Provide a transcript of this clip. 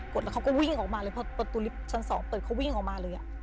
ดแล้วเขาก็วิ่งออกมาเลยพอประตูลิฟต์ชั้น๒เปิดเขาวิ่งออกมาเลย